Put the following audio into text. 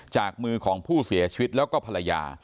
จากมือของผู้เสียชีวิตแล้วก็ภรรยา